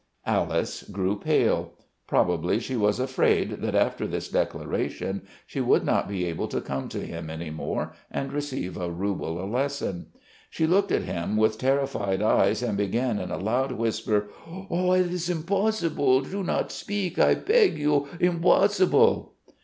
Alice grew pale: probably she was afraid that after this declaration she would not be able to come to him any more and receive a rouble a lesson. She looked at him with terrified eyes and began in a loud whisper: "Ah, it's impossible! Do not speak, I beg you! Impossible!"